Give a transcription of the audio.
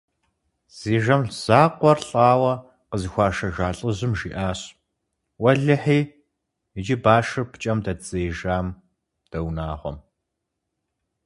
Зи жэм закъуэр лӀауэ къызыхуашэжа лӀыжьым жиӀащ: «Уэлэхьи, иджы башыр пкӀэм дэддзеижам дэ унагъуэм».